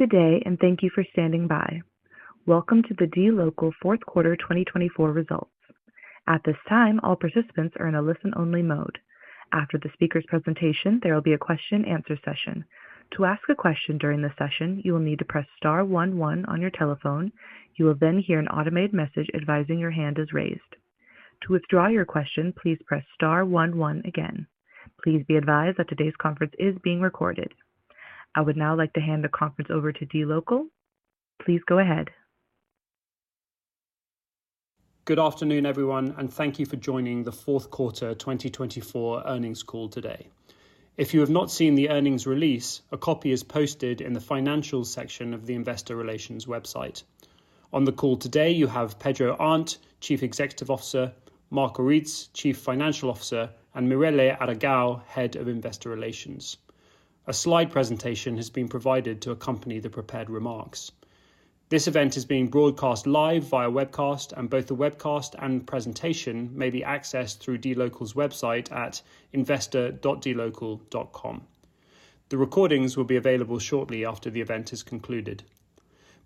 Good day, and thank you for standing by. Welcome to the dLocal fourth quarter 2024 results. At this time, all participants are in a listen-only mode. After the speaker's presentation, there will be a question-and-answer session. To ask a question during the session, you will need to press star one one on your telephone. You will then hear an automated message advising your hand is raised. To withdraw your question, please press star one one again. Please be advised that today's conference is being recorded. I would now like to hand the conference over to dLocal. Please go ahead. Good afternoon, everyone, and thank you for joining the fourth quarter 2024 earnings call today. If you have not seen the earnings release, a copy is posted in the financials section of the Investor Relations website. On the call today, you have Pedro Arnt, Chief Executive Officer, Mark Ortiz, Chief Financial Officer, and Mirele de Aragao, Head of Investor Relations. A slide presentation has been provided to accompany the prepared remarks. This event is being broadcast live via webcast, and both the webcast and presentation may be accessed through dLocal's website at investor.dlocal.com. The recordings will be available shortly after the event is concluded.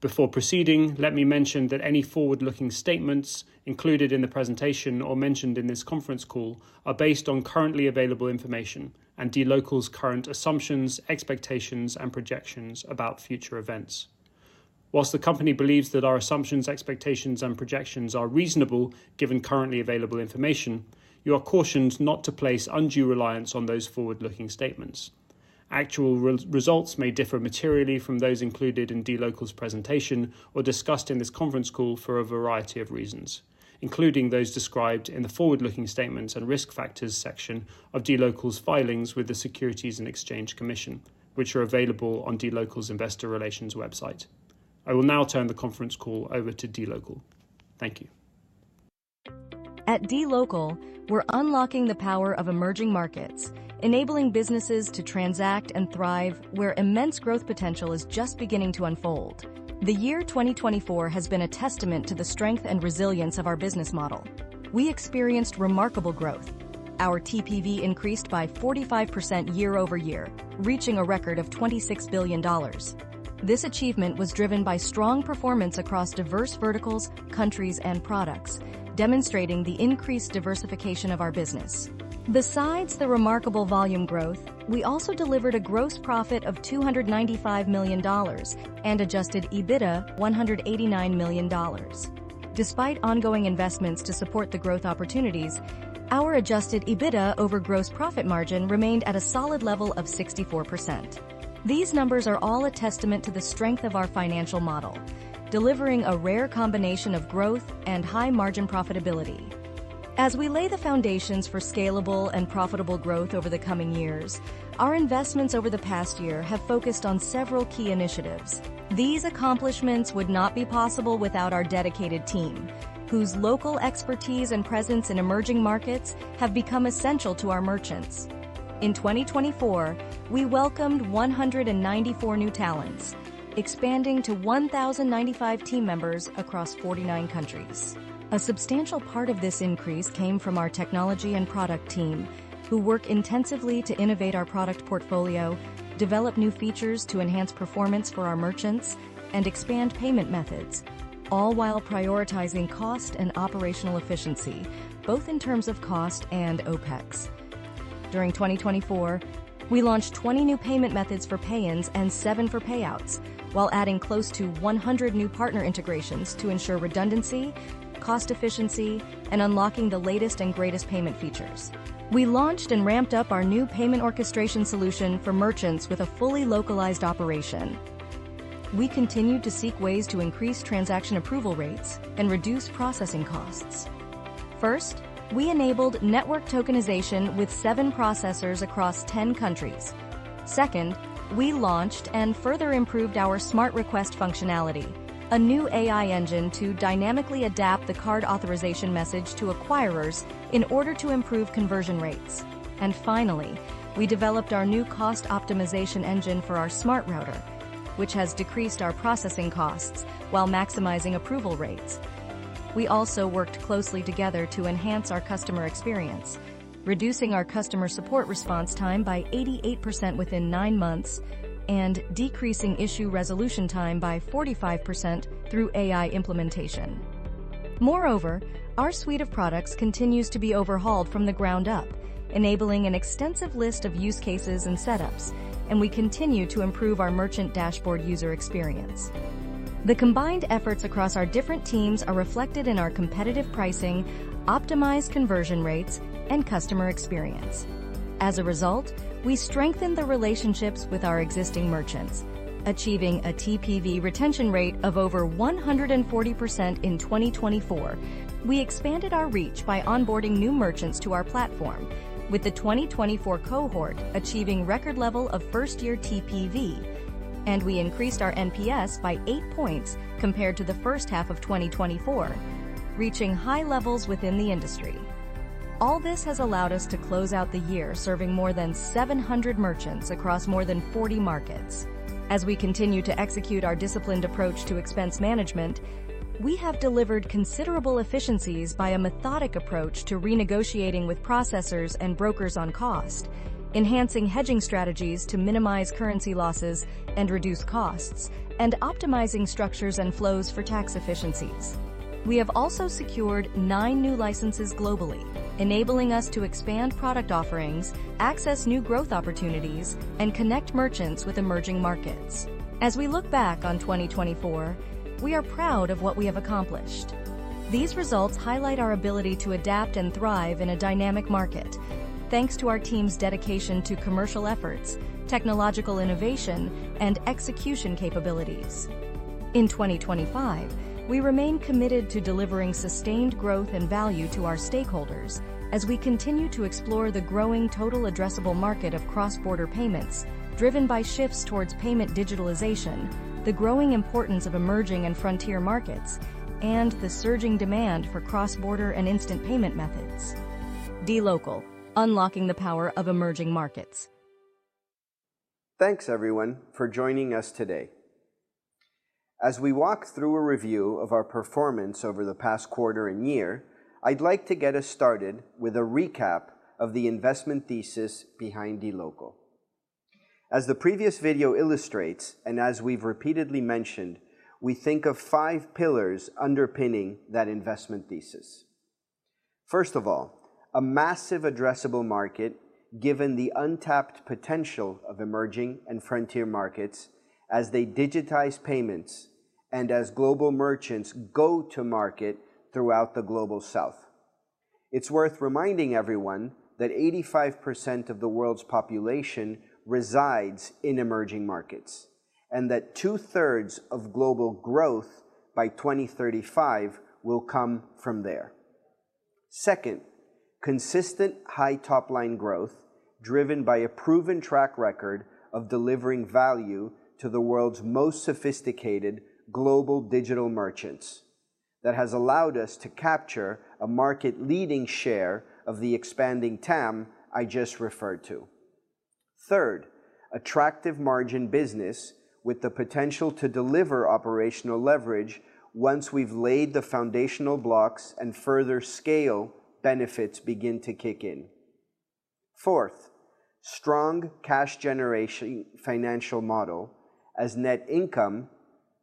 Before proceeding, let me mention that any forward-looking statements included in the presentation or mentioned in this conference call are based on currently available information and dLocal's current assumptions, expectations, and projections about future events. While the company believes that our assumptions, expectations, and projections are reasonable given currently available information, you are cautioned not to place undue reliance on those forward-looking statements. Actual results may differ materially from those included in dLocal's presentation or discussed in this conference call for a variety of reasons, including those described in the forward-looking statements and risk factors section of dLocal's filings with the Securities and Exchange Commission, which are available on dLocal's Investor Relations website. I will now turn the conference call over to dLocal. Thank you. At dLocal, we're unlocking the power of emerging markets, enabling businesses to transact and thrive where immense growth potential is just beginning to unfold. The year 2024 has been a testament to the strength and resilience of our business model. We experienced remarkable growth. Our TPV increased by 45% year over year, reaching a record of $26 billion. This achievement was driven by strong performance across diverse verticals, countries, and products, demonstrating the increased diversification of our business. Besides the remarkable volume growth, we also delivered a gross profit of $295 million and adjusted EBITDA of $189 million. Despite ongoing investments to support the growth opportunities, our adjusted EBITDA over gross profit margin remained at a solid level of 64%. These numbers are all a testament to the strength of our financial model, delivering a rare combination of growth and high margin profitability. As we lay the foundations for scalable and profitable growth over the coming years, our investments over the past year have focused on several key initiatives. These accomplishments would not be possible without our dedicated team, whose local expertise and presence in emerging markets have become essential to our merchants. In 2024, we welcomed 194 new talents, expanding to 1,095 team members across 49 countries. A substantial part of this increase came from our technology and product team, who work intensively to innovate our product portfolio, develop new features to enhance performance for our merchants, and expand payment methods, all while prioritizing cost and operational efficiency, both in terms of cost and OPEX. During 2024, we launched 20 new payment methods for pay-ins and 7 for payouts, while adding close to 100 new partner integrations to ensure redundancy, cost efficiency, and unlocking the latest and greatest payment features. We launched and ramped up our new payment orchestration solution for merchants with a fully localized operation. We continue to seek ways to increase transaction approval rates and reduce processing costs. First, we enabled network tokenization with 7 processors across 10 countries. Second, we launched and further improved our Smart Request functionality, a new AI engine to dynamically adapt the card authorization message to acquirers in order to improve conversion rates. And finally, we developed our new cost optimization engine for our Smart Router, which has decreased our processing costs while maximizing approval rates. We also worked closely together to enhance our customer experience, reducing our customer support response time by 88% within 9 months and decreasing issue resolution time by 45% through AI implementation. Moreover, our suite of products continues to be overhauled from the ground up, enabling an extensive list of use cases and setups, and we continue to improve our merchant dashboard user experience. The combined efforts across our different teams are reflected in our competitive pricing, optimized conversion rates, and customer experience. As a result, we strengthened the relationships with our existing merchants, achieving a TPV retention rate of over 140% in 2024. We expanded our reach by onboarding new merchants to our platform, with the 2024 cohort achieving record level of first-year TPV, and we increased our NPS by 8 points compared to the first half of 2024, reaching high levels within the industry. All this has allowed us to close out the year serving more than 700 merchants across more than 40 markets. As we continue to execute our disciplined approach to expense management, we have delivered considerable efficiencies by a methodic approach to renegotiating with processors and brokers on cost, enhancing hedging strategies to minimize currency losses and reduce costs, and optimizing structures and flows for tax efficiencies. We have also secured nine new licenses globally, enabling us to expand product offerings, access new growth opportunities, and connect merchants with emerging markets. As we look back on 2024, we are proud of what we have accomplished. These results highlight our ability to adapt and thrive in a dynamic market, thanks to our team's dedication to commercial efforts, technological innovation, and execution capabilities. In 2025, we remain committed to delivering sustained growth and value to our stakeholders as we continue to explore the growing total addressable market of cross-border payments driven by shifts towards payment digitalization, the growing importance of emerging and frontier markets, and the surging demand for cross-border and instant payment methods. dLocal: Unlocking the Power of Emerging Markets. Thanks, everyone, for joining us today. As we walk through a review of our performance over the past quarter and year, I'd like to get us started with a recap of the investment thesis behind dLocal. As the previous video illustrates, and as we've repeatedly mentioned, we think of five pillars underpinning that investment thesis. First of all, a massive addressable market given the untapped potential of emerging and frontier markets as they digitize payments and as global merchants go to market throughout the Global South. It's worth reminding everyone that 85% of the world's population resides in emerging markets and that two-thirds of global growth by 2035 will come from there. Second, consistent high top-line growth driven by a proven track record of delivering value to the world's most sophisticated global digital merchants that has allowed us to capture a market-leading share of the expanding TAM I just referred to. Third, attractive margin business with the potential to deliver operational leverage once we've laid the foundational blocks and further scale benefits begin to kick in. Fourth, strong cash-generation financial model as net income,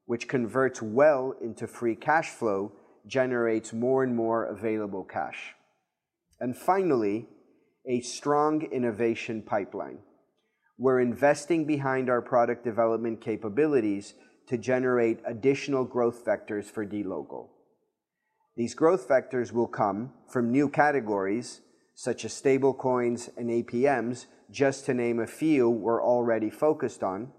which converts well into free cash flow, generates more and more available cash. And finally, a strong innovation pipeline. We're investing behind our product development capabilities to generate additional growth vectors for dLocal. These growth vectors will come from new categories such as stablecoins and APMs, just to name a few we're already focused on,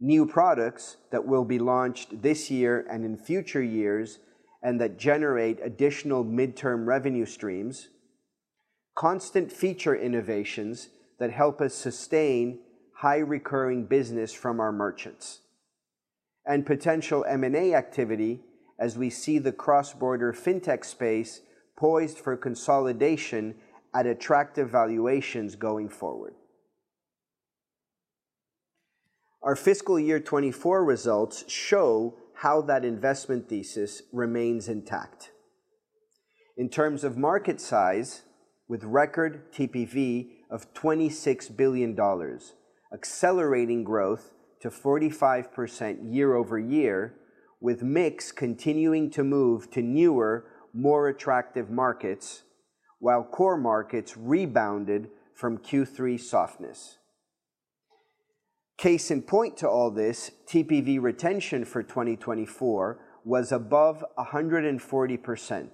new products that will be launched this year and in future years and that generate additional midterm revenue streams, constant feature innovations that help us sustain high recurring business from our merchants, and potential M&A activity as we see the cross-border fintech space poised for consolidation at attractive valuations going forward. Our fiscal year 24 results show how that investment thesis remains intact. In terms of market size, with record TPV of $26 billion, accelerating growth to 45% year over year, with mix continuing to move to newer, more attractive markets while core markets rebounded from Q3 softness. Case in point to all this, TPV retention for 2024 was above 140%,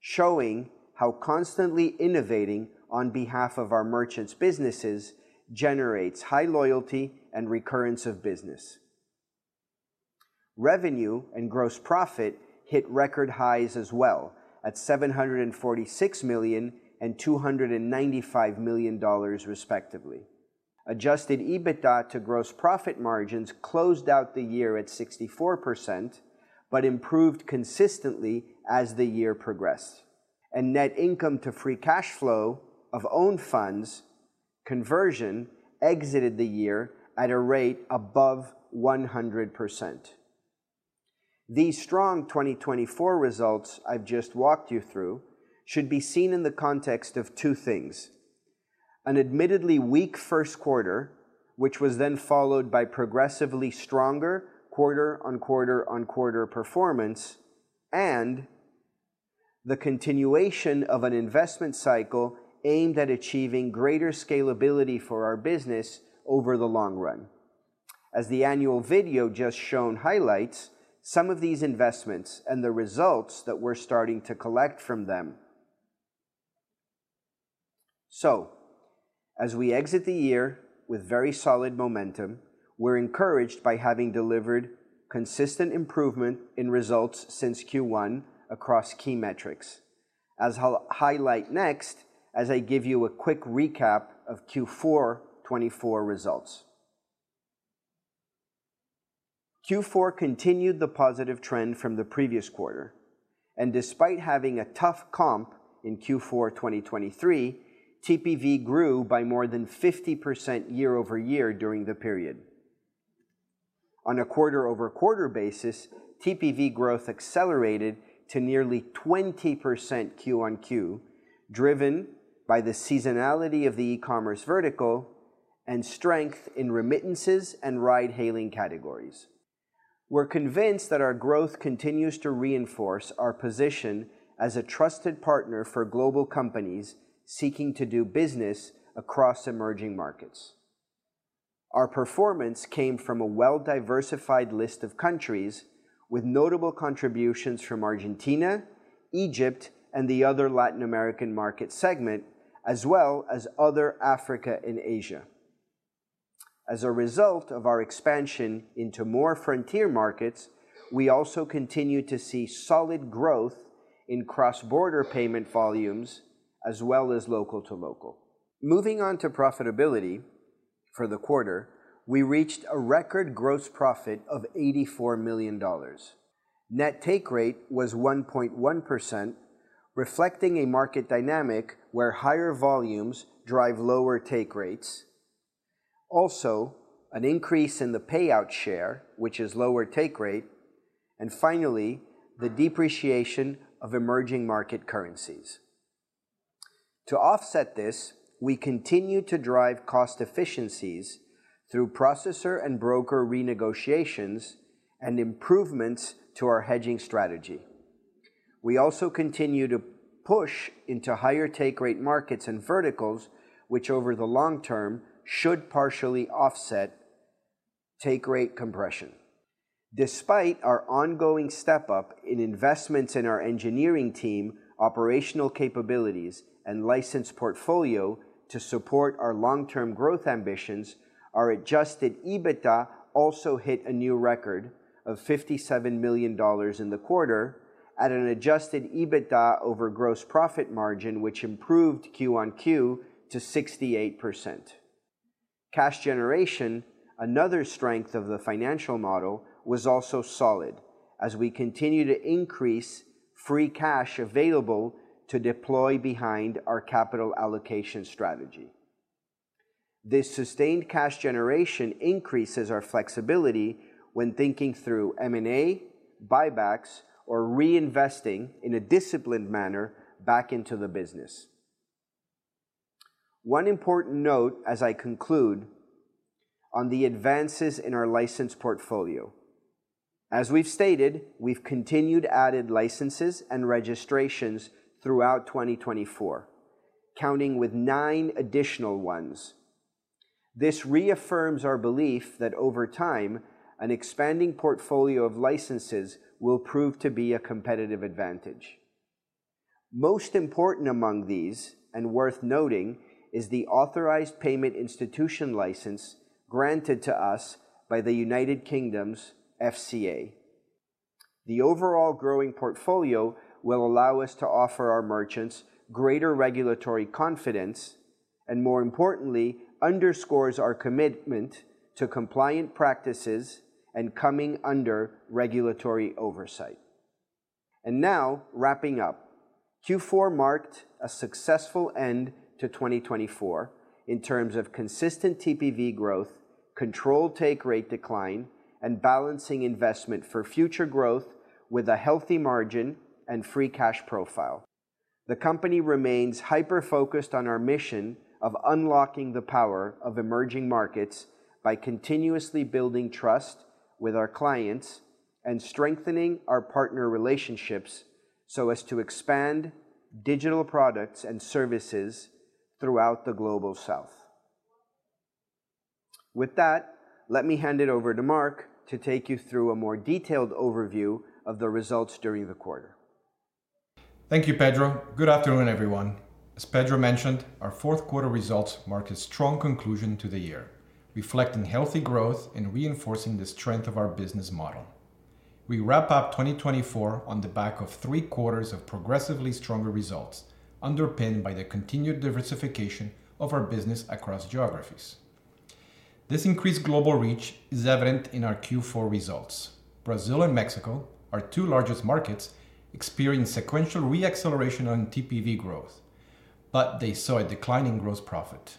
showing how constantly innovating on behalf of our merchants' businesses generates high loyalty and recurrence of business. Revenue and gross profit hit record highs as well at $746 million and $295 million, respectively. Adjusted EBITDA to gross profit margins closed out the year at 64% but improved consistently as the year progressed, and net income to free cash flow of owned funds conversion exited the year at a rate above 100%. These strong 2024 results I've just walked you through should be seen in the context of two things: an admittedly weak first quarter, which was then followed by progressively stronger quarter-on-quarter-on-quarter performance, and the continuation of an investment cycle aimed at achieving greater scalability for our business over the long run. As the annual video just shown highlights, some of these investments and the results that we're starting to collect from them. So, as we exit the year with very solid momentum, we're encouraged by having delivered consistent improvement in results since Q1 across key metrics. As I'll highlight next, as I give you a quick recap of Q4 2024 results. Q4 continued the positive trend from the previous quarter, and despite having a tough comp in Q4 2023, TPV grew by more than 50% year over year during the period. On a quarter-over-quarter basis, TPV growth accelerated to nearly 20% Q on Q, driven by the seasonality of the e-commerce vertical and strength in remittances and ride-hailing categories. We're convinced that our growth continues to reinforce our position as a trusted partner for global companies seeking to do business across emerging markets. Our performance came from a well-diversified list of countries, with notable contributions from Argentina, Egypt, and the other Latin American market segment, as well as other Africa and Asia. As a result of our expansion into more frontier markets, we also continue to see solid growth in cross-border payment volumes as well as local to local. Moving on to profitability for the quarter, we reached a record gross profit of $84 million. Net take rate was 1.1%, reflecting a market dynamic where higher volumes drive lower take rates. Also, an increase in the payout share, which is lower take rate, and finally, the depreciation of emerging market currencies. To offset this, we continue to drive cost efficiencies through processor and broker renegotiations and improvements to our hedging strategy. We also continue to push into higher take rate markets and verticals, which over the long term should partially offset take rate compression. Despite our ongoing step-up in investments in our engineering team, operational capabilities, and license portfolio to support our long-term growth ambitions, our adjusted EBITDA also hit a new record of $57 million in the quarter, at an adjusted EBITDA over gross profit margin, which improved Q on Q to 68%. Cash generation, another strength of the financial model, was also solid as we continue to increase free cash available to deploy behind our capital allocation strategy. This sustained cash generation increases our flexibility when thinking through M&A, buybacks, or reinvesting in a disciplined manner back into the business. One important note as I conclude on the advances in our license portfolio. As we've stated, we've continued added licenses and registrations throughout 2024, counting with nine additional ones. This reaffirms our belief that over time, an expanding portfolio of licenses will prove to be a competitive advantage. Most important among these, and worth noting, is the Authorized Payment Institution license granted to us by the United Kingdom's FCA. The overall growing portfolio will allow us to offer our merchants greater regulatory confidence and, more importantly, underscores our commitment to compliant practices and coming under regulatory oversight, and now, wrapping up, Q4 marked a successful end to 2024 in terms of consistent TPV growth, controlled take rate decline, and balancing investment for future growth with a healthy margin and free cash profile. The company remains hyper-focused on our mission of unlocking the power of emerging markets by continuously building trust with our clients and strengthening our partner relationships so as to expand digital products and services throughout the Global South. With that, let me hand it over to Mark to take you through a more detailed overview of the results during the quarter. Thank you, Pedro. Good afternoon, everyone. As Pedro mentioned, our fourth quarter results marked a strong conclusion to the year, reflecting healthy growth and reinforcing the strength of our business model. We wrap up 2024 on the back of three quarters of progressively stronger results, underpinned by the continued diversification of our business across geographies. This increased global reach is evident in our Q4 results. Brazil and Mexico, our two largest markets, experienced sequential re-acceleration on TPV growth, but they saw a decline in gross profit.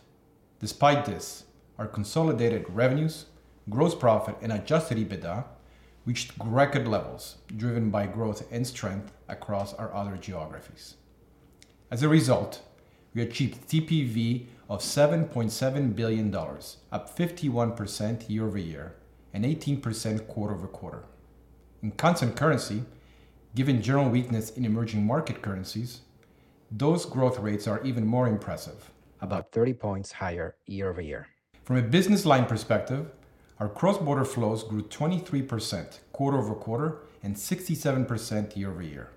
Despite this, our consolidated revenues, gross profit, and adjusted EBITDA reached record levels driven by growth and strength across our other geographies. As a result, we achieved TPV of $7.7 billion, up 51% year over year and 18% quarter over quarter. In constant currency, given general weakness in emerging market currencies, those growth rates are even more impressive, about 30 points higher year over year. From a business line perspective, our cross-border flows grew 23% quarter over quarter and 67% year over year,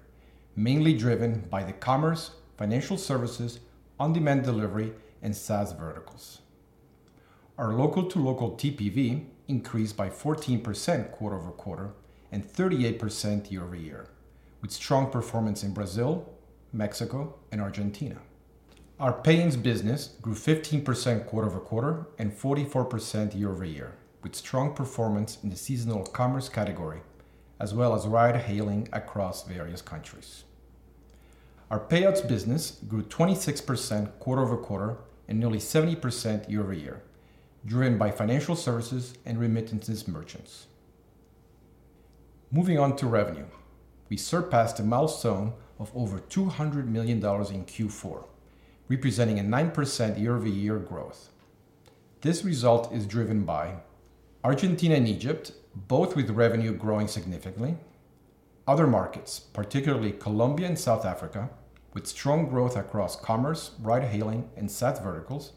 mainly driven by the commerce, financial services, on-demand delivery, and SaaS verticals. Our local to local TPV increased by 14% quarter over quarter and 38% year over year, with strong performance in Brazil, Mexico, and Argentina. Our payments business grew 15% quarter over quarter and 44% year over year, with strong performance in the seasonal commerce category, as well as ride-hailing across various countries. Our payouts business grew 26% quarter over quarter and nearly 70% year over year, driven by financial services and remittances merchants. Moving on to revenue, we surpassed a milestone of over $200 million in Q4, representing a 9% year over year growth. This result is driven by Argentina and Egypt, both with revenue growing significantly. Other markets, particularly Colombia and South Africa, with strong growth across commerce, ride-hailing, and SaaS verticals.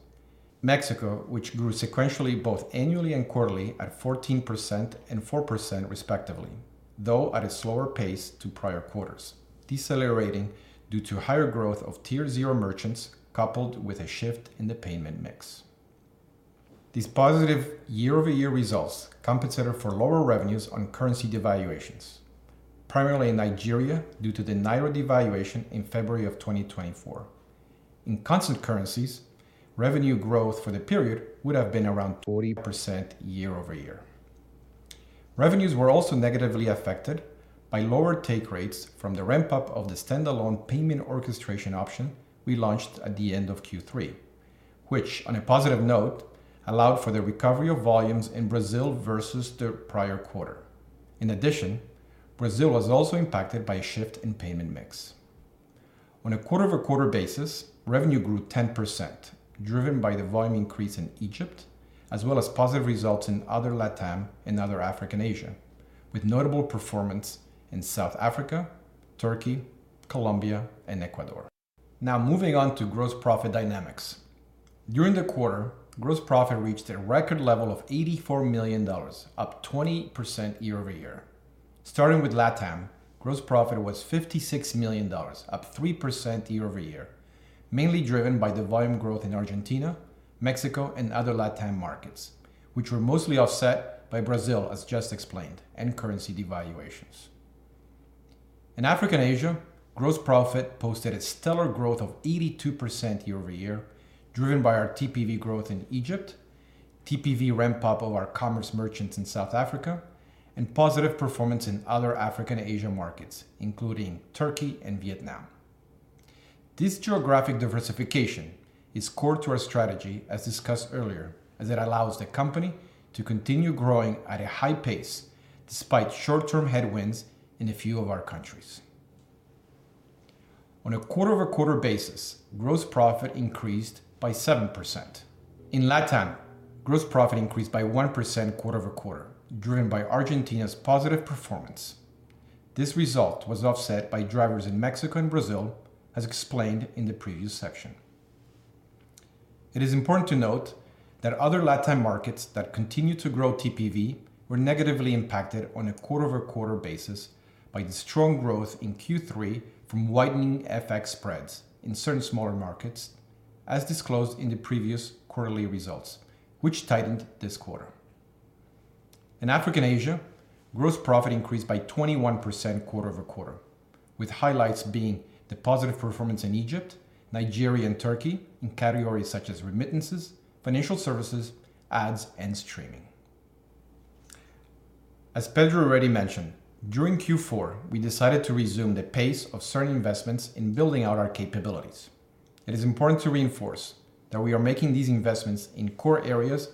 Mexico, which grew sequentially both annually and quarterly at 14% and 4% respectively, though at a slower pace to prior quarters, decelerating due to higher growth of Tier Zero merchants coupled with a shift in the payment mix. These positive year-over-year results compensated for lower revenues on currency devaluations, primarily in Nigeria due to the naira devaluation in February of 2024. In constant currencies, revenue growth for the period would have been around 40% year over year. Revenues were also negatively affected by lower take rates from the ramp-up of the standalone payment orchestration option we launched at the end of Q3, which, on a positive note, allowed for the recovery of volumes in Brazil versus the prior quarter. In addition, Brazil was also impacted by a shift in payment mix. On a quarter-over-quarter basis, revenue grew 10%, driven by the volume increase in Egypt, as well as positive results in other LATAM and other African and Asian, with notable performance in South Africa, Turkey, Colombia, and Ecuador. Now, moving on to gross profit dynamics. During the quarter, gross profit reached a record level of $84 million, up 20% year over year. Starting with LATAM, gross profit was $56 million, up 3% year over year, mainly driven by the volume growth in Argentina, Mexico, and other LATAM markets, which were mostly offset by Brazil, as just explained, and currency devaluations. In Africa and Asia, gross profit posted a stellar growth of 82% year over year, driven by our TPV growth in Egypt, TPV ramp-up of our commerce merchants in South Africa, and positive performance in other African and Asian markets, including Turkey and Vietnam. This geographic diversification is core to our strategy, as discussed earlier, as it allows the company to continue growing at a high pace despite short-term headwinds in a few of our countries. On a quarter-over-quarter basis, gross profit increased by 7%. In LATAM, gross profit increased by 1% quarter over quarter, driven by Argentina's positive performance. This result was offset by declines in Mexico and Brazil, as explained in the previous section. It is important to note that other LATAM markets that continue to grow TPV were negatively impacted on a quarter-over-quarter basis by the strong growth in Q3 from widening FX spreads in certain smaller markets, as disclosed in the previous quarterly results, which tightened this quarter. In Africa and Asia, gross profit increased by 21% quarter over quarter, with highlights being the positive performance in Egypt, Nigeria, and Turkey in categories such as remittances, financial services, ads, and streaming. As Pedro already mentioned, during Q4, we decided to resume the pace of certain investments in building out our capabilities. It is important to reinforce that we are making these investments in core areas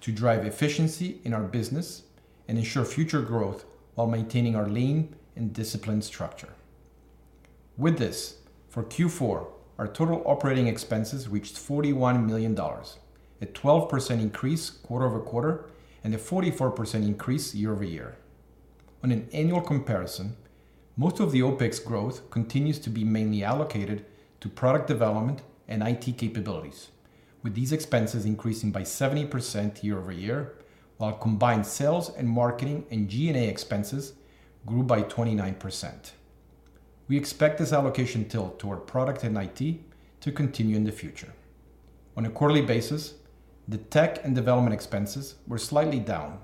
to drive efficiency in our business and ensure future growth while maintaining our lean and disciplined structure. With this, for Q4, our total operating expenses reached $41 million, a 12% increase quarter over quarter and a 44% increase year over year. On an annual comparison, most of the OPEX growth continues to be mainly allocated to product development and IT capabilities, with these expenses increasing by 70% year over year, while combined sales and marketing and G&A expenses grew by 29%. We expect this allocation tilt toward product and IT to continue in the future. On a quarterly basis, the tech and development expenses were slightly down,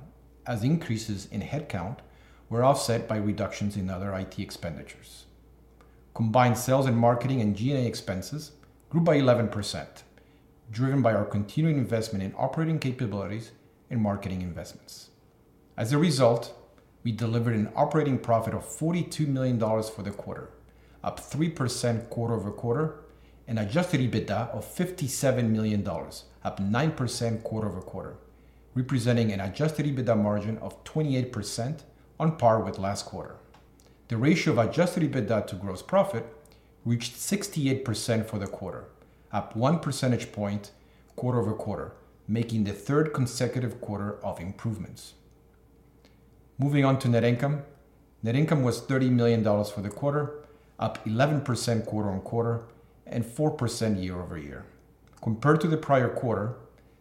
as increases in headcount were offset by reductions in other IT expenditures. Combined sales and marketing and G&A expenses grew by 11%, driven by our continuing investment in operating capabilities and marketing investments. As a result, we delivered an operating profit of $42 million for the quarter, up 3% quarter over quarter, and adjusted EBITDA of $57 million, up 9% quarter over quarter, representing an adjusted EBITDA margin of 28% on par with last quarter. The ratio of adjusted EBITDA to gross profit reached 68% for the quarter, up 1 percentage point quarter over quarter, making the third consecutive quarter of improvements. Moving on to net income, net income was $30 million for the quarter, up 11% quarter on quarter and 4% year over year. Compared to the prior quarter,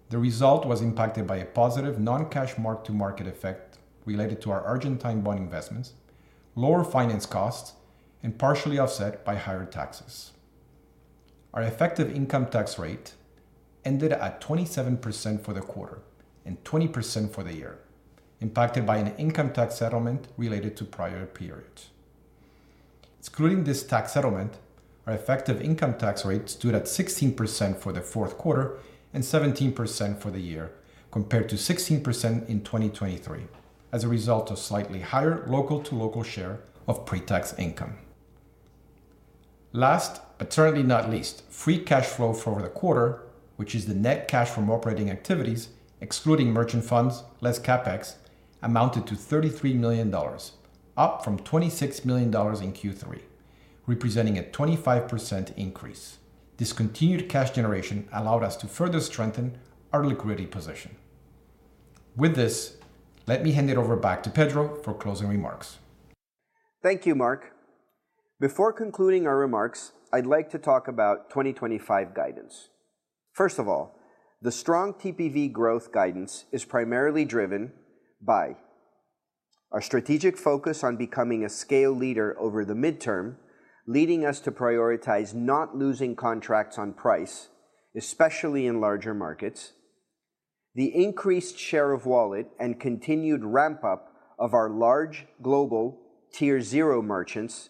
the result was impacted by a positive non-cash mark-to-market effect related to our Argentine bond investments, lower finance costs, and partially offset by higher taxes. Our effective income tax rate ended at 27% for the quarter and 20% for the year, impacted by an income tax settlement related to prior periods. Excluding this tax settlement, our effective income tax rate stood at 16% for the fourth quarter and 17% for the year, compared to 16% in 2023, as a result of slightly higher local to local share of pre-tax income. Last, but certainly not least, free cash flow for the quarter, which is the net cash from operating activities, excluding merchant funds, less CapEx, amounted to $33 million, up from $26 million in Q3, representing a 25% increase. This continued cash generation allowed us to further strengthen our liquidity position. With this, let me hand it over back to Pedro for closing remarks. Thank you, Mark. Before concluding our remarks, I'd like to talk about 2025 guidance. First of all, the strong TPV growth guidance is primarily driven by our strategic focus on becoming a scale leader over the midterm, leading us to prioritize not losing contracts on price, especially in larger markets. The increased share of wallet and continued ramp-up of our large global Tier zero merchants,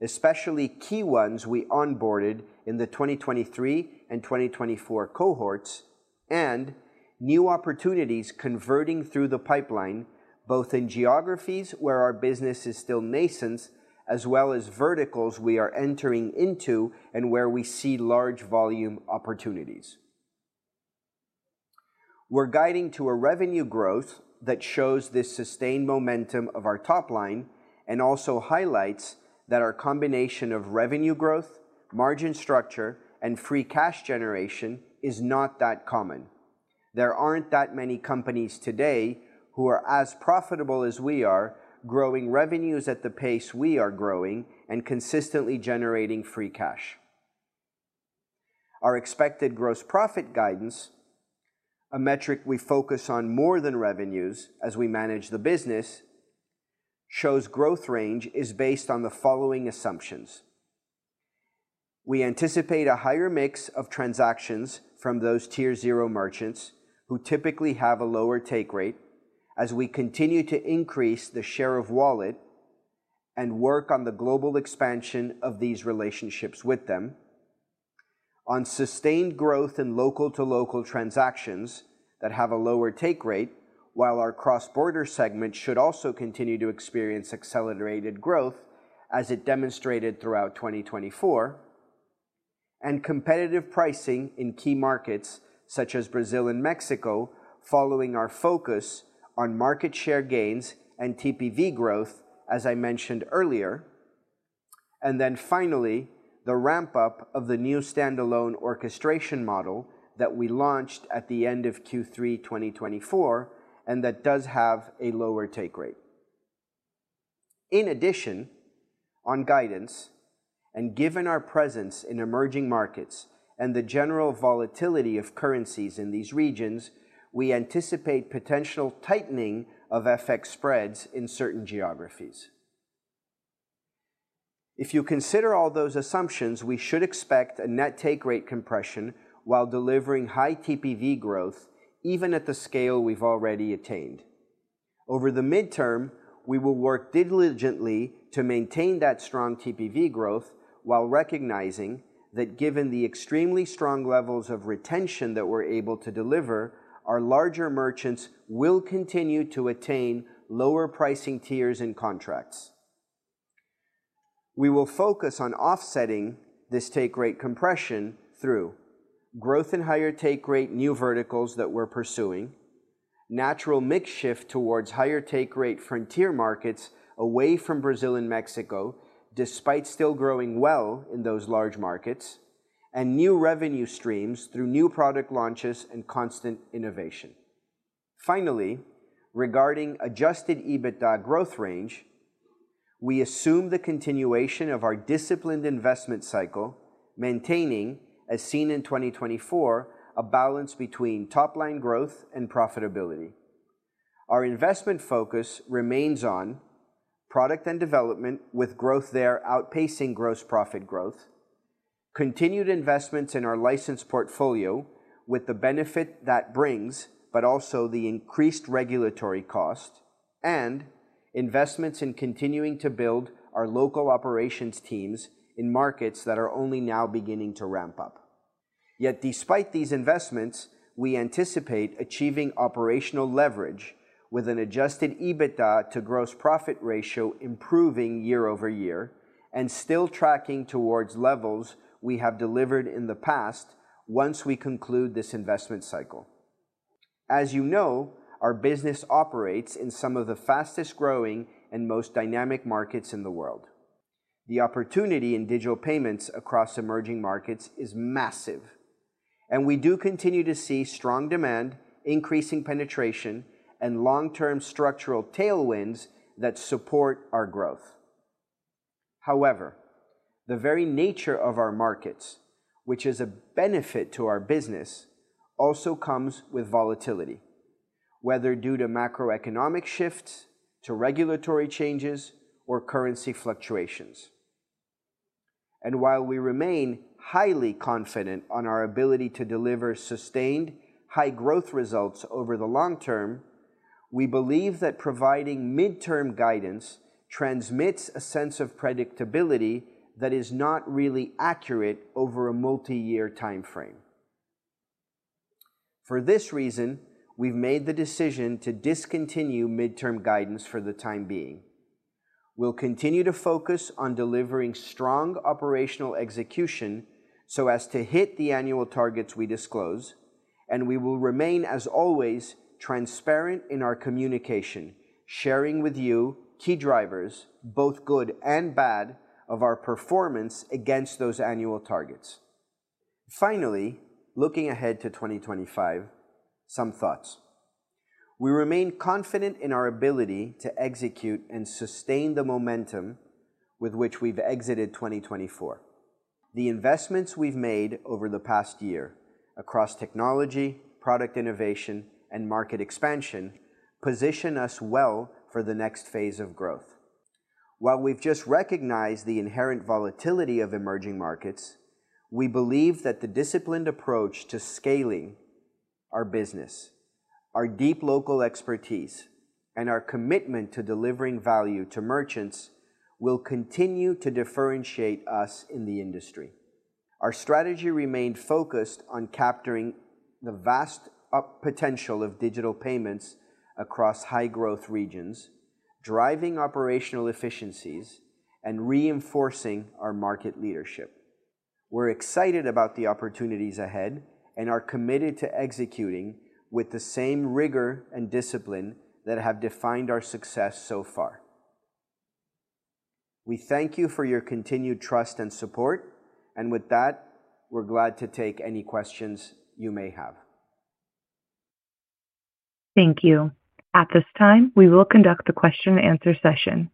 especially key ones we onboarded in the 2023 and 2024 cohorts. And new opportunities converting through the pipeline, both in geographies where our business is still nascent, as well as verticals we are entering into and where we see large volume opportunities. We're guiding to a revenue growth that shows the sustained momentum of our top line and also highlights that our combination of revenue growth, margin structure, and free cash generation is not that common. There aren't that many companies today who are as profitable as we are, growing revenues at the pace we are growing and consistently generating free cash. Our expected gross profit guidance, a metric we focus on more than revenues as we manage the business, shows growth range is based on the following assumptions. We anticipate a higher mix of transactions from those Tier zero merchants who typically have a lower take rate as we continue to increase the share of wallet and work on the global expansion of these relationships with them, on sustained growth in local to local transactions that have a lower take rate, while our cross-border segment should also continue to experience accelerated growth as it demonstrated throughout 2024, and competitive pricing in key markets such as Brazil and Mexico, following our focus on market share gains and TPV growth, as I mentioned earlier, and then finally, the ramp-up of the new standalone orchestration model that we launched at the end of Q3 2024 and that does have a lower take rate. In addition, on guidance, and given our presence in emerging markets and the general volatility of currencies in these regions, we anticipate potential tightening of FX spreads in certain geographies. If you consider all those assumptions, we should expect a net take rate compression while delivering high TPV growth, even at the scale we've already attained. Over the midterm, we will work diligently to maintain that strong TPV growth while recognizing that given the extremely strong levels of retention that we're able to deliver, our larger merchants will continue to attain lower pricing tiers and contracts. We will focus on offsetting this take rate compression through growth in higher take rate new verticals that we're pursuing, natural mix shift towards higher take rate frontier markets away from Brazil and Mexico, despite still growing well in those large markets, and new revenue streams through new product launches and constant innovation. Finally, regarding adjusted EBITDA growth range, we assume the continuation of our disciplined investment cycle, maintaining, as seen in 2024, a balance between top line growth and profitability. Our investment focus remains on product and development, with growth there outpacing gross profit growth, continued investments in our licensed portfolio with the benefit that brings, but also the increased regulatory cost, and investments in continuing to build our local operations teams in markets that are only now beginning to ramp up. Yet, despite these investments, we anticipate achieving operational leverage with an adjusted EBITDA to gross profit ratio improving year over year and still tracking towards levels we have delivered in the past once we conclude this investment cycle. As you know, our business operates in some of the fastest growing and most dynamic markets in the world. The opportunity in digital payments across emerging markets is massive, and we do continue to see strong demand, increasing penetration, and long-term structural tailwinds that support our growth. However, the very nature of our markets, which is a benefit to our business, also comes with volatility, whether due to macroeconomic shifts, to regulatory changes, or currency fluctuations. And while we remain highly confident on our ability to deliver sustained high growth results over the long term, we believe that providing midterm guidance transmits a sense of predictability that is not really accurate over a multi-year timeframe. For this reason, we've made the decision to discontinue midterm guidance for the time being. We'll continue to focus on delivering strong operational execution so as to hit the annual targets we disclose, and we will remain, as always, transparent in our communication, sharing with you key drivers, both good and bad, of our performance against those annual targets. Finally, looking ahead to 2025, some thoughts. We remain confident in our ability to execute and sustain the momentum with which we've exited 2024. The investments we've made over the past year across technology, product innovation, and market expansion position us well for the next phase of growth. While we've just recognized the inherent volatility of emerging markets, we believe that the disciplined approach to scaling our business, our deep local expertise, and our commitment to delivering value to merchants will continue to differentiate us in the industry. Our strategy remained focused on capturing the vast potential of digital payments across high-growth regions, driving operational efficiencies, and reinforcing our market leadership. We're excited about the opportunities ahead and are committed to executing with the same rigor and discipline that have defined our success so far. We thank you for your continued trust and support, and with that, we're glad to take any questions you may have. Thank you. At this time, we will conduct the question-and-answer session.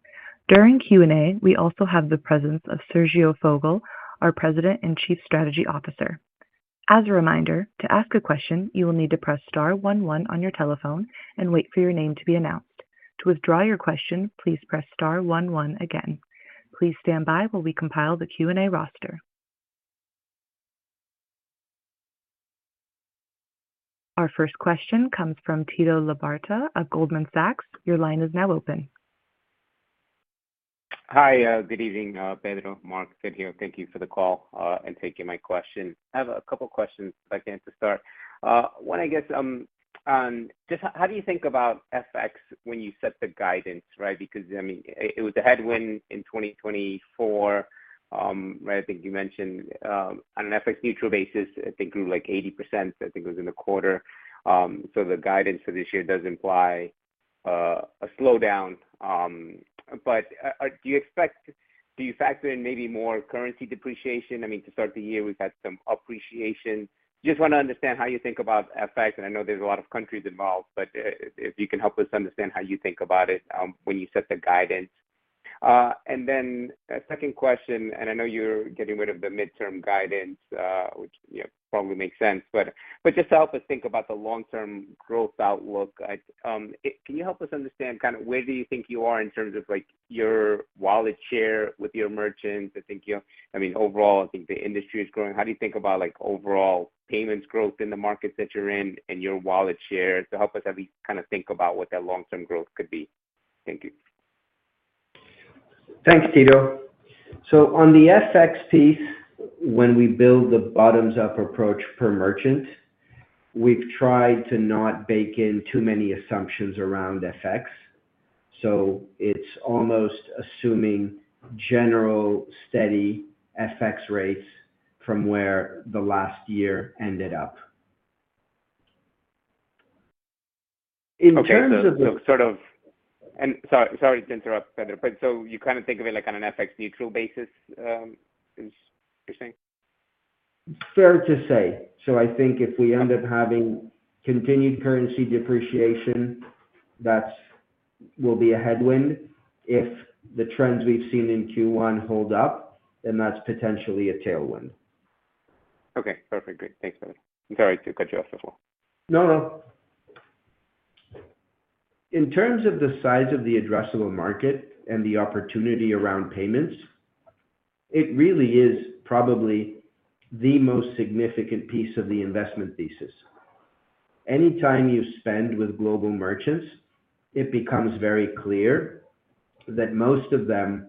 During Q&A, we also have the presence of Sergio Fogel, our President and Chief Strategy Officer. As a reminder, to ask a question, you will need to press star 11 on your telephone and wait for your name to be announced. To withdraw your question, please press star one one again. Please stand by while we compile the Q&A roster. Our first question comes from Tito Labarta of Goldman Sachs. Your line is now open. Hi, good evening, Pedro, Mark, Sergio. Thank you for the call and taking my question. I have a couple of questions. I'd like to start. One, I guess, just how do you think about FX when you set the guidance, right? Because, I mean, it was a headwind in 2024, right? I think you mentioned on an FX neutral basis, I think grew like 80%. I think it was in the quarter. So the guidance for this year does imply a slowdown. But do you expect, do you factor in maybe more currency depreciation? I mean, to start the year, we've had some appreciation. Just want to understand how you think about FX. And I know there's a lot of countries involved, but if you can help us understand how you think about it when you set the guidance. Then a second question, and I know you're getting rid of the midterm guidance, which probably makes sense, but just to help us think about the long-term growth outlook, can you help us understand kind of where do you think you are in terms of your wallet share with your merchants? I think, I mean, overall, I think the industry is growing. How do you think about overall payments growth in the markets that you're in and your wallet share? So help us kind of think about what that long-term growth could be. Thank you. Thanks, Tito. So on the FX piece, when we build the bottoms-up approach per merchant, we've tried to not bake in too many assumptions around FX. So it's almost assuming general, steady FX rates from where the last year ended up. In terms of. Okay. So sort of, and sorry to interrupt, Pedro, but so you kind of think of it like on an FX neutral basis, you're saying? Fair to say. So I think if we end up having continued currency depreciation, that will be a headwind. If the trends we've seen in Q1 hold up, then that's potentially a tailwind. Okay. Perfect. Great. Thanks, Pedro. Sorry to cut you off before. No, no. In terms of the size of the addressable market and the opportunity around payments, it really is probably the most significant piece of the investment thesis. Anytime you spend with global merchants, it becomes very clear that most of them,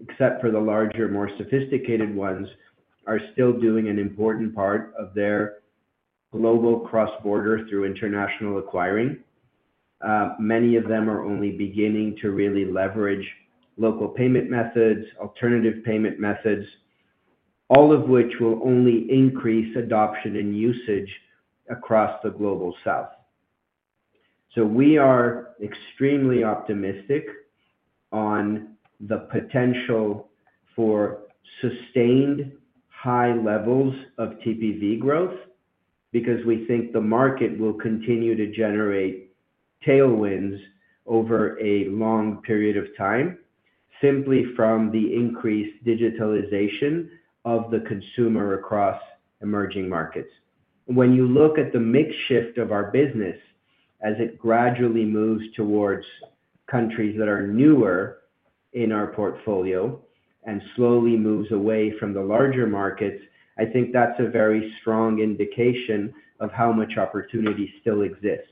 except for the larger, more sophisticated ones, are still doing an important part of their global cross-border through international acquiring. Many of them are only beginning to really leverage local payment methods, alternative payment methods, all of which will only increase adoption and usage across the Global South. So we are extremely optimistic on the potential for sustained high levels of TPV growth because we think the market will continue to generate tailwinds over a long period of time simply from the increased digitalization of the consumer across emerging markets. When you look at the mix shift of our business as it gradually moves towards countries that are newer in our portfolio and slowly moves away from the larger markets, I think that's a very strong indication of how much opportunity still exists.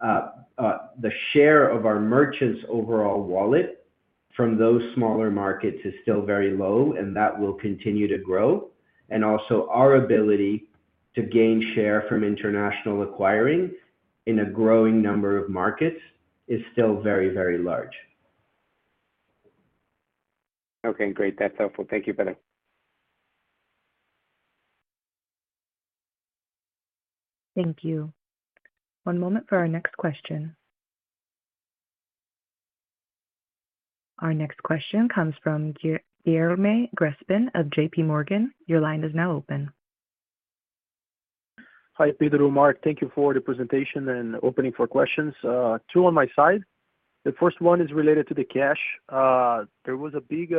The share of our merchants' overall wallet from those smaller markets is still very low, and that will continue to grow. And also, our ability to gain share from international acquiring in a growing number of markets is still very, very large. Okay. Great. That's helpful. Thank you, Pedro. Thank you. One moment for our next question. Our next question comes from Guilherme Grespan of J.P. Morgan. Your line is now open. Hi, Pedro, Mark. Thank you for the presentation and opening for questions. Two on my side. The first one is related to the cash. There was a big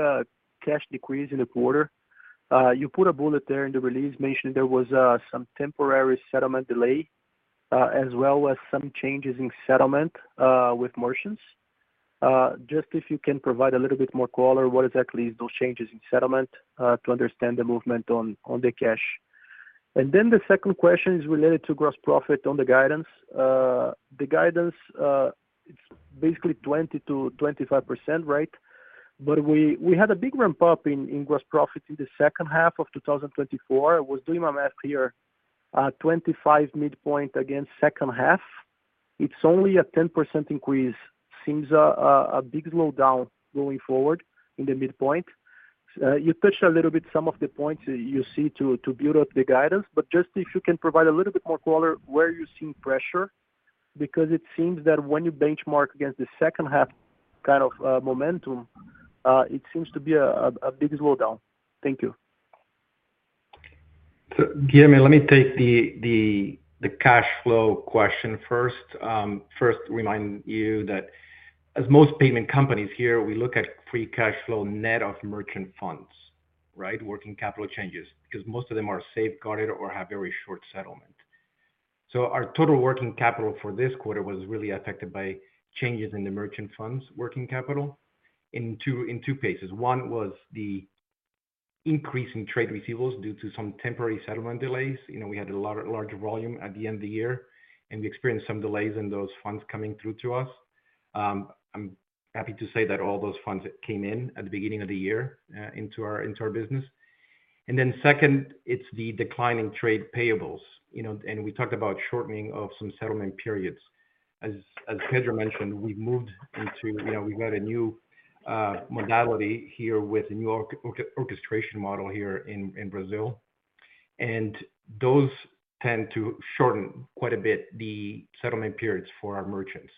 cash decrease in the quarter. You put a bullet there in the release mentioning there was some temporary settlement delay as well as some changes in settlement with merchants. Just if you can provide a little bit more color, what exactly is those changes in settlement to understand the movement on the cash. And then the second question is related to gross profit on the guidance. The guidance, it's basically 20%-25%, right? But we had a big ramp-up in gross profit in the second half of 2024. I was doing my math here. 25 midpoint against second half, it's only a 10% increase. Seems a big slowdown going forward in the midpoint. You touched a little bit some of the points you see to build up the guidance, but just if you can provide a little bit more color where you're seeing pressure because it seems that when you benchmark against the second half kind of momentum, it seems to be a big slowdown. Thank you. Guilherme, let me take the cash flow question first. First, remind you that as most payment companies here, we look at free cash flow net of merchant funds, right? Working capital changes because most of them are safeguarded or have very short settlement. Our total working capital for this quarter was really affected by changes in the merchant funds working capital in two places. One was the increase in trade receivables due to some temporary settlement delays. We had a large volume at the end of the year, and we experienced some delays in those funds coming through to us. I'm happy to say that all those funds came in at the beginning of the year into our business. Then second, it's the declining trade payables. We talked about shortening of some settlement periods. As Pedro mentioned, we've moved into. We've got a new modality here with a new orchestration model here in Brazil. And those tend to shorten quite a bit the settlement periods for our merchants.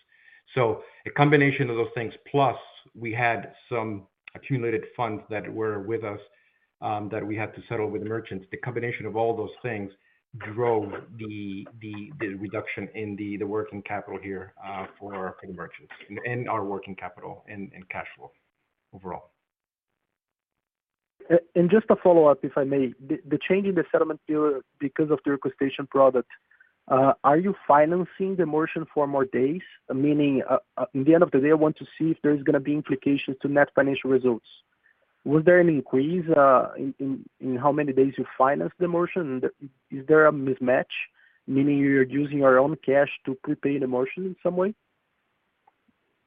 So a combination of those things, plus we had some accumulated funds that were with us that we had to settle with the merchants. The combination of all those things drove the reduction in the working capital here for the merchants and our working capital and cash flow overall. Just to follow up, if I may, the change in the settlement period because of the orchestration product, are you financing the merchant for more days? Meaning, at the end of the day, I want to see if there's going to be implications to net financial results. Was there an increase in how many days you financed the merchant? Is there a mismatch, meaning you're using your own cash to prepay the merchant in some way?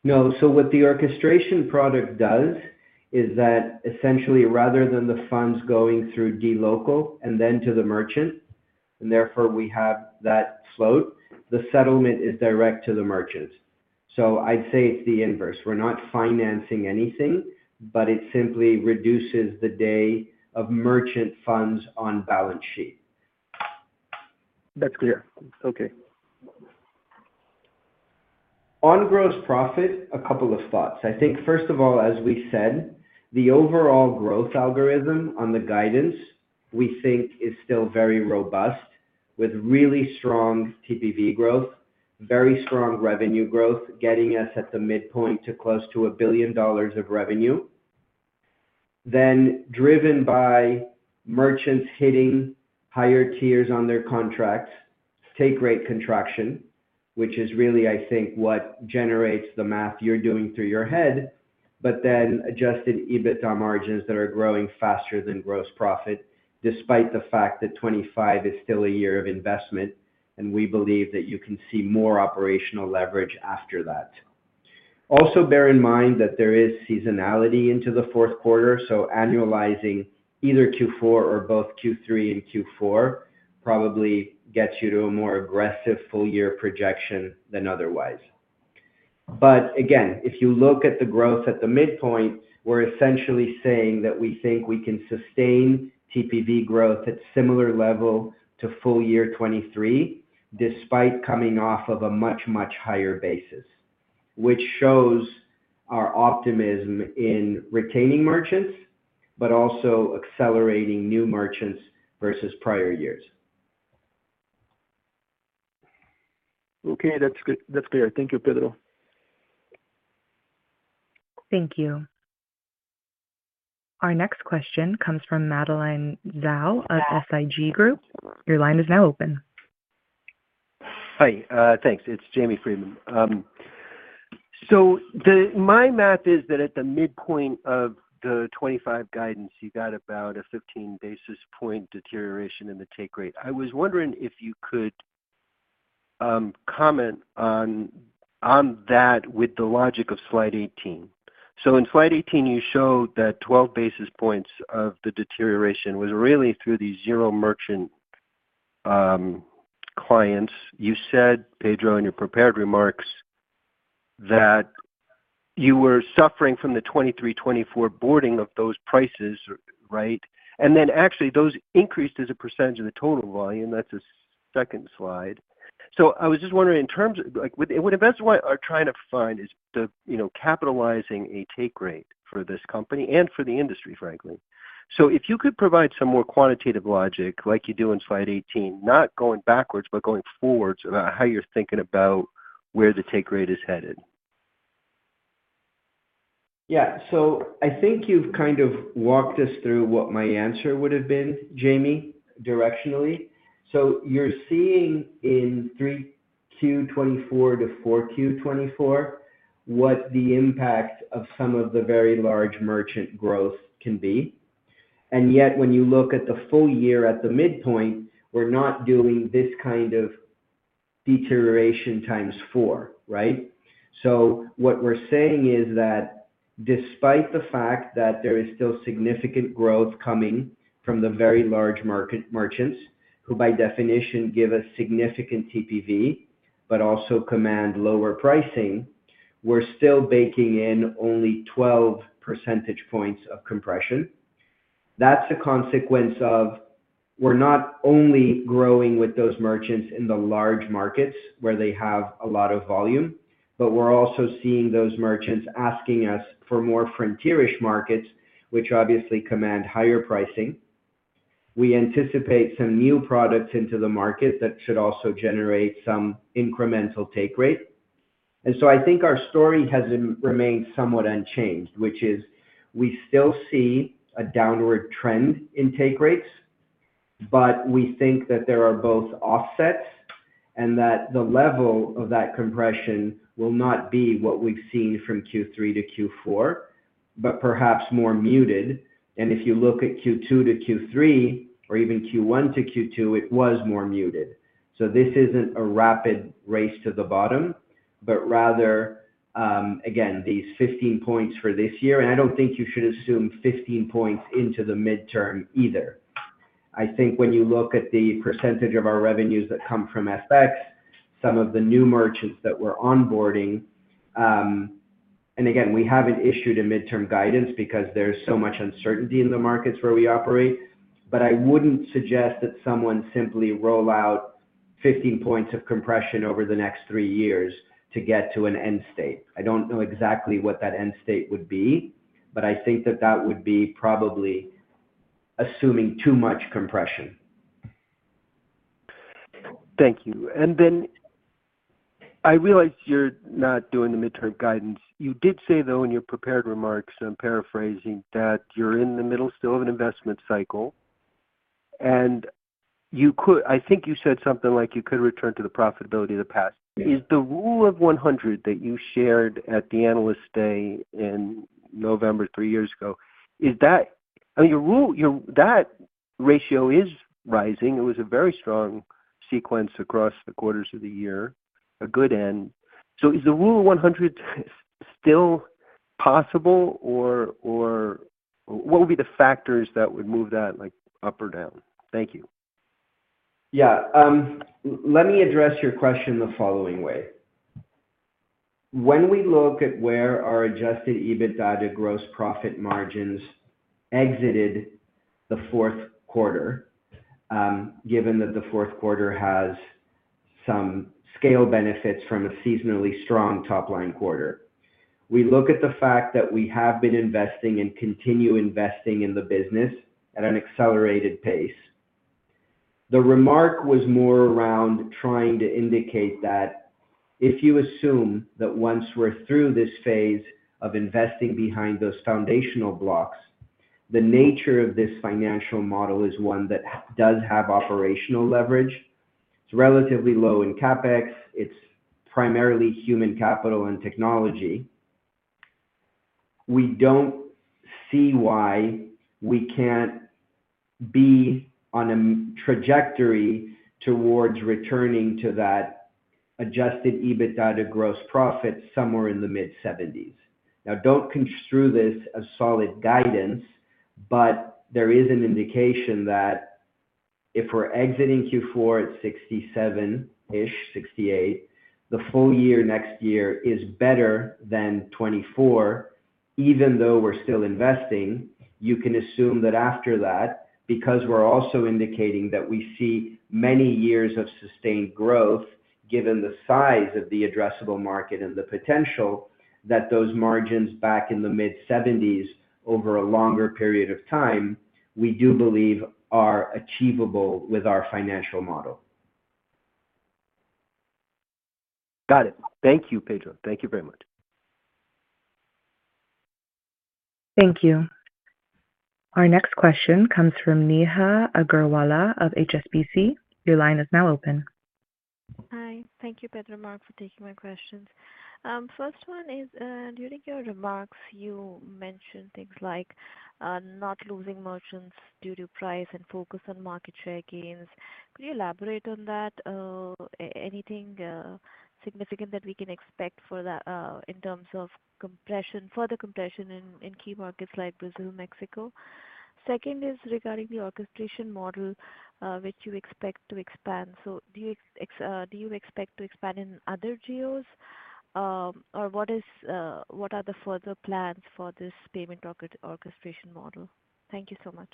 No. So what the orchestration product does is that essentially, rather than the funds going through dLocal and then to the merchant, and therefore we have that float, the settlement is direct to the merchant. So I'd say it's the inverse. We're not financing anything, but it simply reduces the day of merchant funds on balance sheet. That's clear. Okay. On gross profit, a couple of thoughts. I think, first of all, as we said, the overall growth algorithm on the guidance, we think, is still very robust with really strong TPV growth, very strong revenue growth, getting us at the midpoint to close to $1 billion of revenue. Then driven by merchants hitting higher tiers on their contracts, take rate contraction, which is really, I think, what generates the math you're doing through your head, but then adjusted EBITDA margins that are growing faster than gross profit, despite the fact that 2025 is still a year of investment, and we believe that you can see more operational leverage after that. Also, bear in mind that there is seasonality into the fourth quarter. So annualizing either Q4 or both Q3 and Q4 probably gets you to a more aggressive full-year projection than otherwise. But again, if you look at the growth at the midpoint, we're essentially saying that we think we can sustain TPV growth at similar level to full year 2023, despite coming off of a much, much higher basis, which shows our optimism in retaining merchants, but also accelerating new merchants versus prior years. Okay. That's clear. Thank you, Pedro. Thank you. Our next question comes from Madeline Zhao of SIG Group. Your line is now open. Hi. Thanks. It's Jamie Friedman. So my math is that at the midpoint of the 2025 guidance, you've got about a 15 basis point deterioration in the take rate. I was wondering if you could comment on that with the logic of slide 18. So in slide 18, you showed that 12 basis points of the deterioration was really through these tier zero merchant clients. You said, Pedro, in your prepared remarks that you were suffering from the 2023, 2024 onboarding of those clients, right? And then actually, those increased as a percentage of the total volume. That's a second slide. So I was just wondering, in terms of what investors are trying to find is capitalizing a take rate for this company and for the industry, frankly. If you could provide some more quantitative logic like you do in slide 18, not going backwards, but going forwards about how you're thinking about where the take rate is headed. Yeah. So I think you've kind of walked us through what my answer would have been, Jamie, directionally. So you're seeing in 3Q 2024 to 4Q 2024 what the impact of some of the very large merchant growth can be. And yet, when you look at the full year at the midpoint, we're not doing this kind of deterioration times four, right? So what we're saying is that despite the fact that there is still significant growth coming from the very large merchants who, by definition, give us significant TPV, but also command lower pricing, we're still baking in only 12 percentage points of compression. That's a consequence of we're not only growing with those merchants in the large markets where they have a lot of volume, but we're also seeing those merchants asking us for more frontier-ish markets, which obviously command higher pricing. We anticipate some new products into the market that should also generate some incremental take rate. And so I think our story has remained somewhat unchanged, which is we still see a downward trend in take rates, but we think that there are both offsets and that the level of that compression will not be what we've seen from Q3 to Q4, but perhaps more muted. And if you look at Q2 to Q3 or even Q1 to Q2, it was more muted. So this isn't a rapid race to the bottom, but rather, again, these 15 points for this year. And I don't think you should assume 15 points into the midterm either. I think when you look at the percentage of our revenues that come from FX, some of the new merchants that we're onboarding, and again, we haven't issued a midterm guidance because there's so much uncertainty in the markets where we operate, but I wouldn't suggest that someone simply roll out 15 points of compression over the next three years to get to an end state. I don't know exactly what that end state would be, but I think that that would be probably assuming too much compression. Thank you. And then I realize you're not doing the midterm guidance. You did say, though, in your prepared remarks, and I'm paraphrasing, that you're in the middle still of an investment cycle. And I think you said something like you could return to the profitability of the past. Is the Rule of 100 that you shared at the analyst day in November three years ago, is that, I mean, your ratio is rising. It was a very strong sequence across the quarters of the year, a good end. So is the Rule of 100 still possible, or what would be the factors that would move that up or down? Thank you. Yeah. Let me address your question the following way. When we look at where our adjusted EBITDA to gross profit margins exited the fourth quarter, given that the fourth quarter has some scale benefits from a seasonally strong top-line quarter, we look at the fact that we have been investing and continue investing in the business at an accelerated pace. The remark was more around trying to indicate that if you assume that once we're through this phase of investing behind those foundational blocks, the nature of this financial model is one that does have operational leverage. It's relatively low in CapEx. It's primarily human capital and technology. We don't see why we can't be on a trajectory towards returning to that adjusted EBITDA to gross profit somewhere in the mid-70s. Now, don't construe this as solid guidance, but there is an indication that if we're exiting Q4 at 67-ish, 68, the full year next year is better than 2024, even though we're still investing. You can assume that after that, because we're also indicating that we see many years of sustained growth, given the size of the addressable market and the potential that those margins back in the mid-70s over a longer period of time, we do believe are achievable with our financial model. Got it. Thank you, Pedro. Thank you very much. Thank you. Our next question comes from Neha Agarwala of HSBC. Your line is now open. Hi. Thank you, Pedro and Mark, for taking my questions. First one is, during your remarks, you mentioned things like not losing merchants due to price and focus on market share gains. Could you elaborate on that? Anything significant that we can expect in terms of further compression in key markets like Brazil, Mexico? Second is regarding the orchestration model, which you expect to expand. So do you expect to expand in other geos, or what are the further plans for this payment orchestration model? Thank you so much.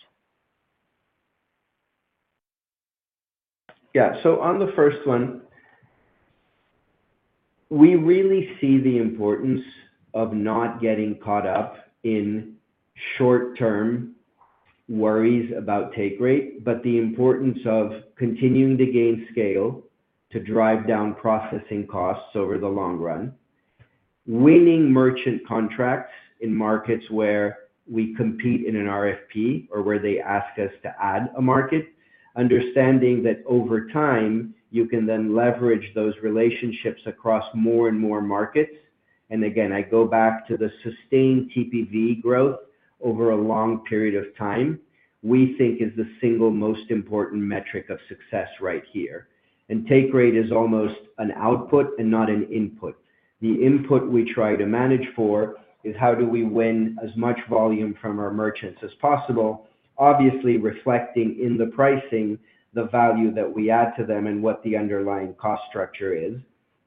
Yeah. So on the first one, we really see the importance of not getting caught up in short-term worries about take rate, but [the] importance of continuing to gain scale to drive down processing costs over the long run, winning merchant contracts in markets where we compete in an RFP or where they ask us to add a market, understanding that over time, you can then leverage those relationships across more and more markets. And again, I go back to the sustained TPV growth over a long period of time, we think, is the single most important metric of success right here. And take rate is almost an output and not an input. The input we try to manage for is how do we win as much volume from our merchants as possible, obviously reflecting in the pricing the value that we add to them and what the underlying cost structure is,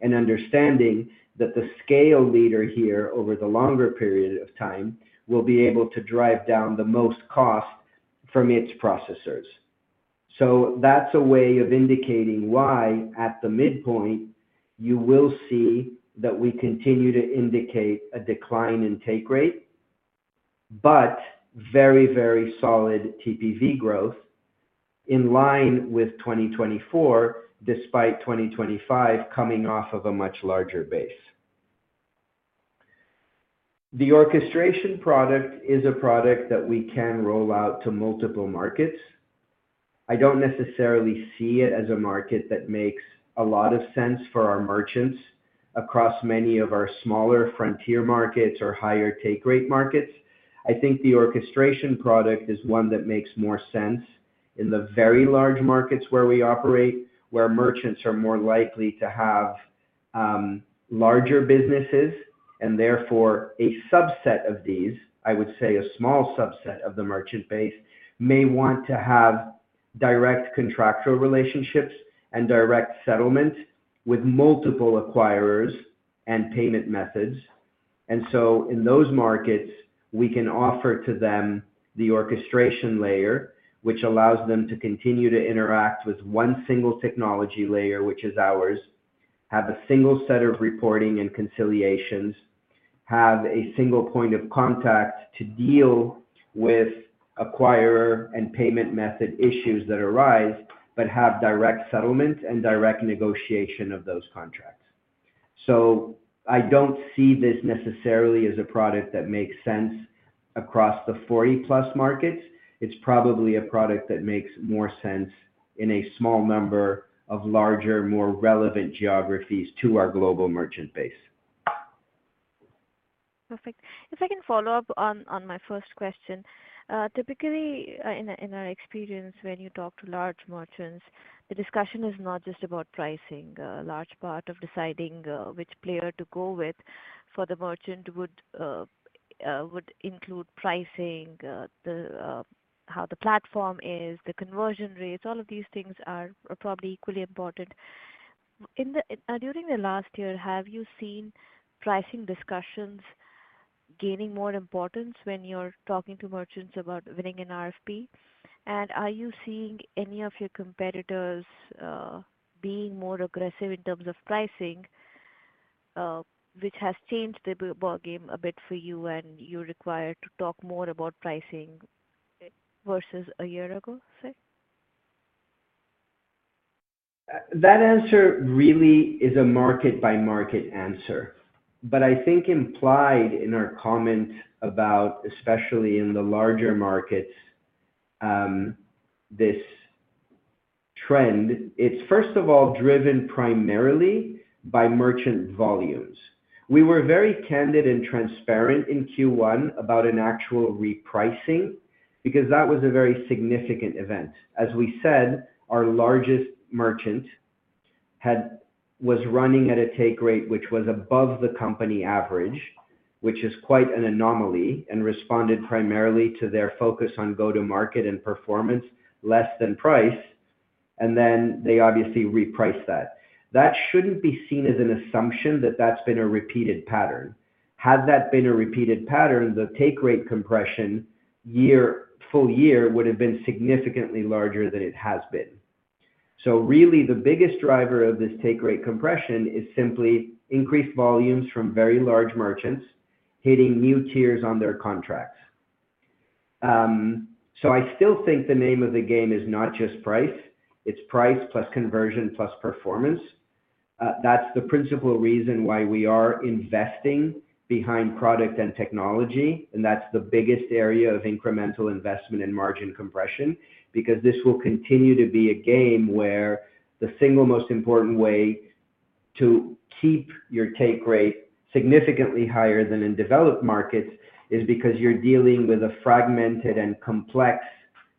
and understanding that the scale leader here over the longer period of time will be able to drive down the most cost from its processors. So that's a way of indicating why, at the midpoint, you will see that we continue to indicate a decline in take rate, but very, very solid TPV growth in line with 2024, despite 2025 coming off of a much larger base. The orchestration product is a product that we can roll out to multiple markets. I don't necessarily see it as a market that makes a lot of sense for our merchants across many of our smaller frontier markets or higher take rate markets. I think the orchestration product is one that makes more sense in the very large markets where we operate, where merchants are more likely to have larger businesses, and therefore, a subset of these, I would say a small subset of the merchant base, may want to have direct contractual relationships and direct settlement with multiple acquirers and payment methods, and so in those markets, we can offer to them the orchestration layer, which allows them to continue to interact with one single technology layer, which is ours, have a single set of reporting and reconciliations, have a single point of contact to deal with acquirer and payment method issues that arise, but have direct settlement and direct negotiation of those contracts, so I don't see this necessarily as a product that makes sense across the 40-plus markets. It's probably a product that makes more sense in a small number of larger, more relevant geographies to our global merchant base. Perfect. If I can follow up on my first question, typically, in our experience, when you talk to large merchants, the discussion is not just about pricing. A large part of deciding which player to go with for the merchant would include pricing, how the platform is, the conversion rates. All of these things are probably equally important. During the last year, have you seen pricing discussions gaining more importance when you're talking to merchants about winning an RFP? And are you seeing any of your competitors being more aggressive in terms of pricing, which has changed the ballgame a bit for you and you're required to talk more about pricing versus a year ago, say? That answer really is a market-by-market answer. But I think implied in our comment about, especially in the larger markets, this trend, it's first of all driven primarily by merchant volumes. We were very candid and transparent in Q1 about an actual repricing because that was a very significant event. As we said, our largest merchant was running at a take rate which was above the company average, which is quite an anomaly, and responded primarily to their focus on go-to-market and performance less than price. And then they obviously repriced that. That shouldn't be seen as an assumption that that's been a repeated pattern. Had that been a repeated pattern, the take rate compression full year would have been significantly larger than it has been. So really, the biggest driver of this take rate compression is simply increased volumes from very large merchants hitting new tiers on their contracts. So I still think the name of the game is not just price. It's price plus conversion plus performance. That's the principal reason why we are investing behind product and technology. And that's the biggest area of incremental investment in margin compression because this will continue to be a game where the single most important way to keep your take rate significantly higher than in developed markets is because you're dealing with a fragmented and complex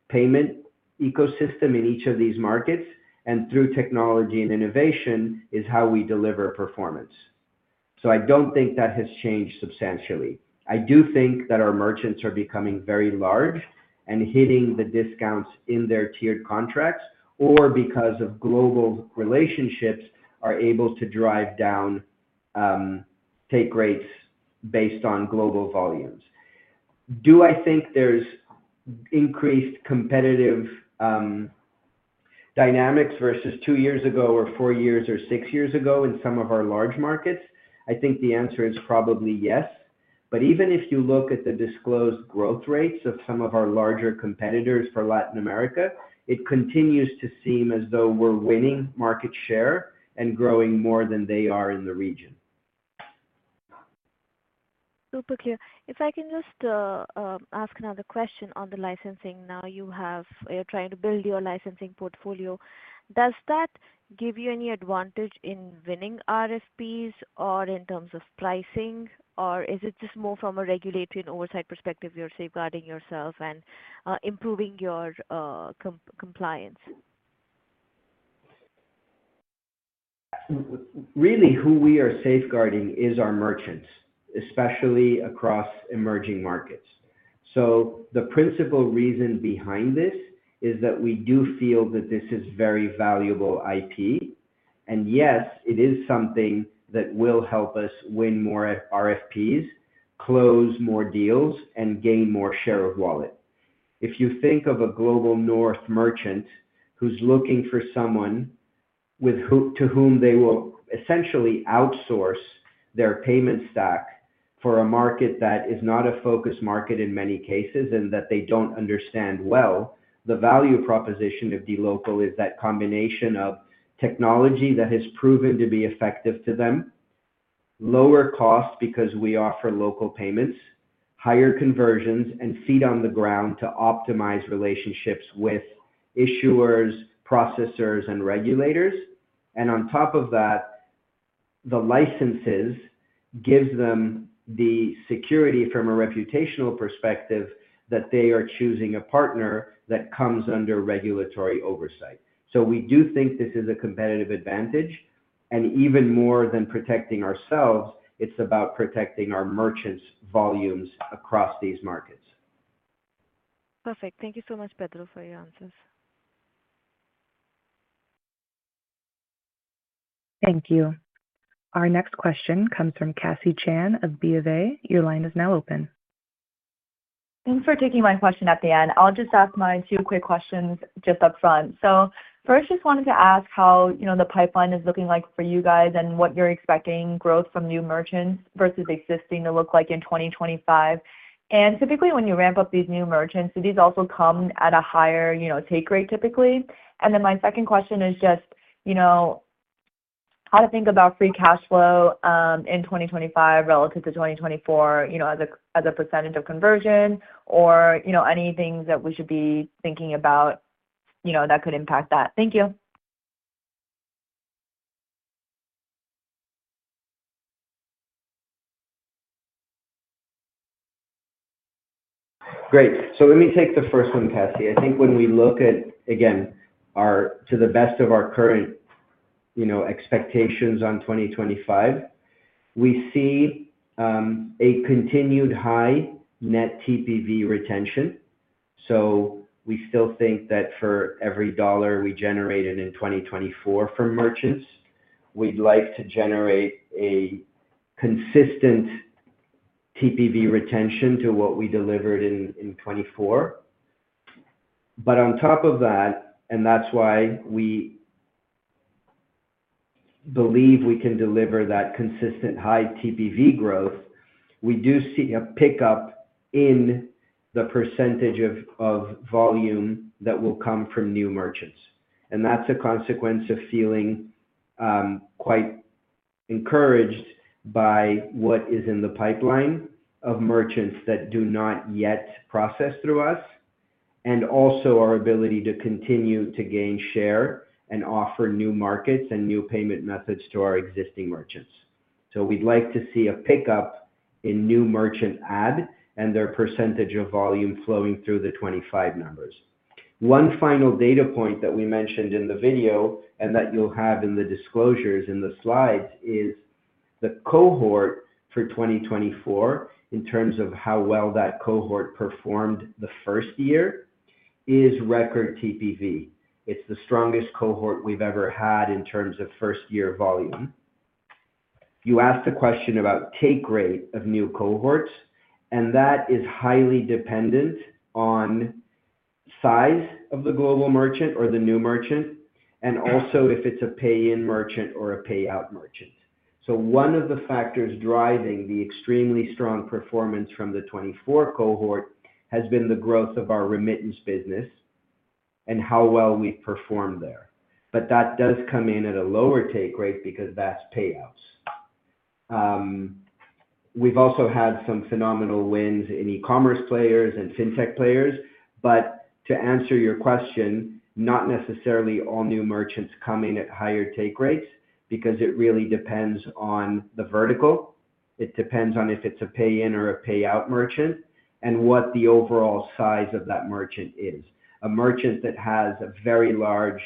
payment ecosystem in each of these markets. And through technology and innovation is how we deliver performance. So I don't think that has changed substantially. I do think that our merchants are becoming very large and hitting the discounts in their tiered contracts or because of global relationships are able to drive down take rates based on global volumes. Do I think there's increased competitive dynamics versus two years ago or four years or six years ago in some of our large markets? I think the answer is probably yes. But even if you look at the disclosed growth rates of some of our larger competitors for Latin America, it continues to seem as though we're winning market share and growing more than they are in the region. Super clear. If I can just ask another question on the licensing. Now you're trying to build your licensing portfolio. Does that give you any advantage in winning RFPs or in terms of pricing, or is it just more from a regulatory and oversight perspective you're safeguarding yourself and improving your compliance? Really, who we are safeguarding is our merchants, especially across emerging markets. So the principal reason behind this is that we do feel that this is very valuable IP. And yes, it is something that will help us win more RFPs, close more deals, and gain more share of wallet. If you think of a Global North merchant who's looking for someone to whom they will essentially outsource their payment stack for a market that is not a focus market in many cases and that they don't understand well, the value proposition of dLocal is that combination of technology that has proven to be effective to them, lower cost because we offer local payments, higher conversions, and feet on the ground to optimize relationships with issuers, processors, and regulators. And on top of that, the licenses give them the security from a reputational perspective that they are choosing a partner that comes under regulatory oversight. So we do think this is a competitive advantage. And even more than protecting ourselves, it's about protecting our merchants' volumes across these markets. Perfect. Thank you so much, Pedro, for your answers. Thank you. Our next question comes from Cassie Chan of BofA. Your line is now open. Thanks for taking my question at the end. I'll just ask my two quick questions just upfront. So first, just wanted to ask how the pipeline is looking like for you guys and what you're expecting growth from new merchants versus existing to look like in 2025. And typically, when you ramp up these new merchants, do these also come at a higher take rate typically? And then my second question is just how to think about free cash flow in 2025 relative to 2024 as a percentage of conversion or any things that we should be thinking about that could impact that. Thank you. Great. So let me take the first one, Cassie. I think when we look at, again, to the best of our current expectations on 2025, we see a continued high net TPV retention. So we still think that for every $1 we generated in 2024 from merchants, we'd like to generate a consistent TPV retention to what we delivered in 2024. But on top of that, and that's why we believe we can deliver that consistent high TPV growth, we do see a pickup in the percentage of volume that will come from new merchants. And that's a consequence of feeling quite encouraged by what is in the pipeline of merchants that do not yet process through us, and also our ability to continue to gain share and offer new markets and new payment methods to our existing merchants. We'd like to see a pickup in new merchant add and their percentage of volume flowing through the 2025 numbers. One final data point that we mentioned in the video and that you'll have in the disclosures in the slides is the cohort for 2024 in terms of how well that cohort performed the first year is record TPV. It's the strongest cohort we've ever had in terms of first-year volume. You asked the question about take rate of new cohorts, and that is highly dependent on size of the global merchant or the new merchant, and also if it's a pay-in merchant or a pay-out merchant. One of the factors driving the extremely strong performance from the 2024 cohort has been the growth of our remittance business and how well we've performed there. That does come in at a lower take rate because that's payouts. We've also had some phenomenal wins in e-commerce players and fintech players. But to answer your question, not necessarily all new merchants come in at higher take rates because it really depends on the vertical. It depends on if it's a pay-in or a pay-out merchant and what the overall size of that merchant is. A merchant that has a very large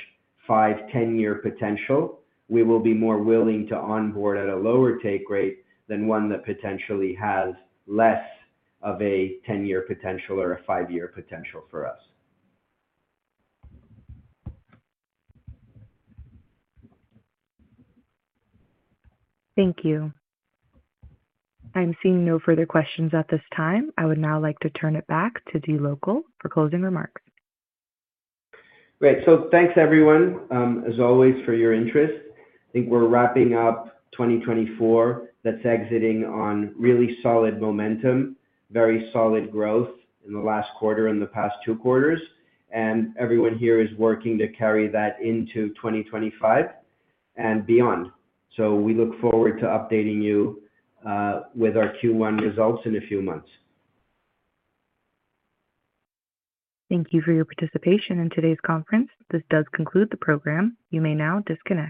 five, 10-year potential, we will be more willing to onboard at a lower take rate than one that potentially has less of a 10-year potential or a five-year potential for us. Thank you. I'm seeing no further questions at this time. I would now like to turn it back to dLocal for closing remarks. Great. So thanks, everyone, as always, for your interest. I think we're wrapping up 2024, that's exiting on really solid momentum, very solid growth in the last quarter and the past two quarters. And everyone here is working to carry that into 2025 and beyond. So we look forward to updating you with our Q1 results in a few months. Thank you for your participation in today's conference. This does conclude the program. You may now disconnect.